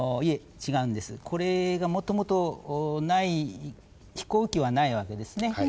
これがもともとない飛行機はないわけですね。